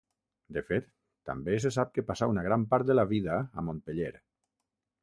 De fet, també se sap que passà una gran part de la vida a Montpeller.